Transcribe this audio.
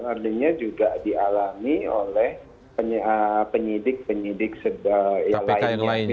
artinya juga dialami oleh penyidik penyidik yang lainnya